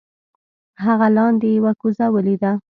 هغه لاندې یو کوزه ولیده.